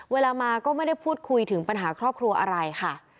เวลามาก็ไม่ได้พูดคุยถึงปัญหาครอบครัวอะไรค่ะ